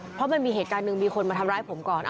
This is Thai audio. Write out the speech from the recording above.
เพราะมันมีเหตุการณ์หนึ่งมีคนมาทำร้ายผมก่อน